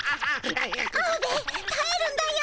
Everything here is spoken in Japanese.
アオベエたえるんだよ。